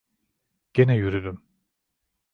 Gene yürüdüm.